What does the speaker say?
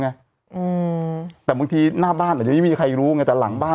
อืมแต่บางทีหน้าบ้านอาจจะไม่มีใครรู้ไงแต่หลังบ้าน